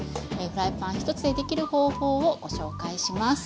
フライパン一つでできる方法をご紹介します。